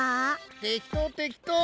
てきとうてきとう。